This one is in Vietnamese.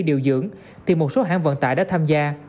điều dưỡng thì một số hãng vận tải đã tham gia